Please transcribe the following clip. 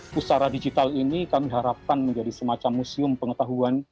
pusara digital ini kami harapkan menjadi semacam museum pengetahuan